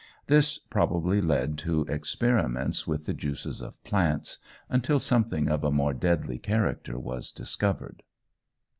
This probably led to experiments with the juices of plants, until something of a more deadly character was discovered.